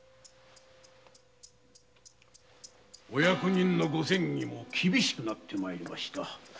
お役人のご詮議が厳しくなってまいりました。